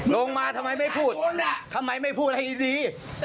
ลงมาทำไมไม่พูดทำไมไม่พูดอะไรดี